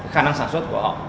khả năng sản xuất của họ